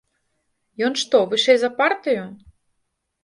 Ён што, вышэй за партыю?